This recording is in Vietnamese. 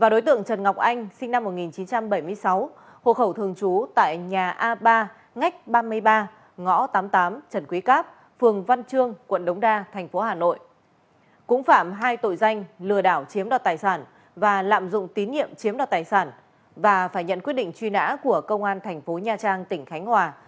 bảy đối tượng thực hiện hành vi đánh bạc gồm triệu vân trường lương quốc dũng nguyễn mạnh thắng võ hồng quân và hà văn duy